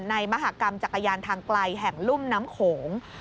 มหากรรมจักรยานทางไกลแห่งลุ่มน้ำโขง